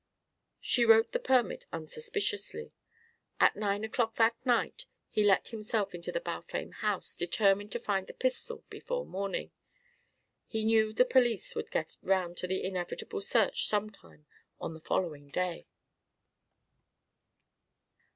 She wrote the permit unsuspiciously. At nine o'clock that night he let himself into the Balfame house determined to find the pistol before morning. He knew the police would get round to the inevitable search some time on the following day.